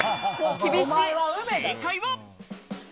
正解は。